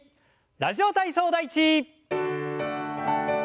「ラジオ体操第１」。